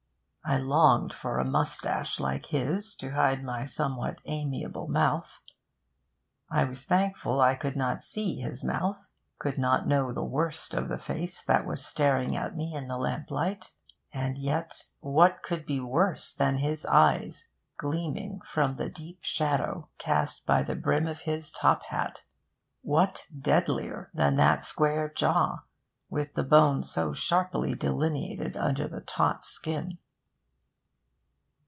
I longed for a moustache like his, to hide my somewhat amiable mouth. I was thankful I could not see his mouth could not know the worst of the face that was staring at me in the lamplight. And yet what could be worse than his eyes, gleaming from the deep shadow cast by the brim of his top hat? What deadlier than that square jaw, with the bone so sharply delineated under the taut skin?